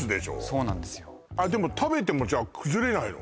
そうなんですよああでも食べても崩れないの？